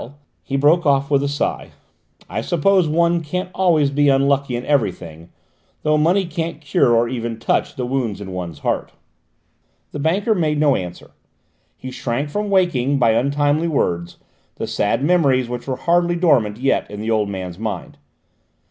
he broke off with a sigh, "I suppose one can't always be unlucky in everything, though money can't cure, or even touch, the wounds in one's heart." The banker made no answer: he shrank from waking, by untimely words, the sad memories which were hardly dormant yet in the old man's mind. But M.